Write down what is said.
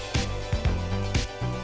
kita bikinnya banyak juga